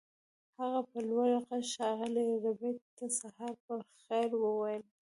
هغه په لوړ غږ ښاغلي ربیټ ته سهار په خیر وویل